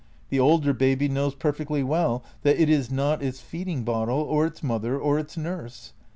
The older baby knows perfectly well that it is not its feeding bottle or its mother or its nurse.